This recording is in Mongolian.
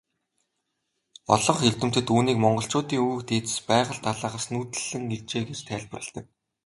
Олонх эрдэмтэд үүнийг монголчуудын өвөг дээдэс Байгал далайгаас нүүдэллэн иржээ гэж тайлбарладаг.